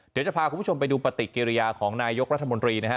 เดี๋ยวจะพาคุณผู้ชมไปดูปฏิกิริยาของนายกรัฐมนตรีนะฮะ